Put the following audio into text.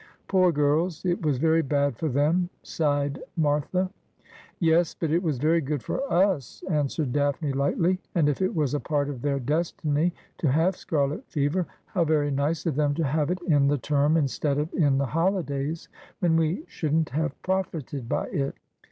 ' Poor girls ; it was very bad for them,' sighed Martha. ♦' Yes ; but it was very good for us,' answered Daphne lightly ;' and if it was a part of their destiny to have scarlet fever, how very nice of them to have it in the term instead of in the holidays, when we shouldn't have profited by it.'